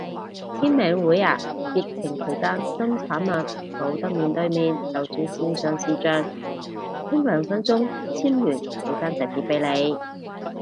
簽名會啊，疫情期間新產物，冇得面對面就轉線上視象，傾兩分鐘簽完寄返隻碟俾你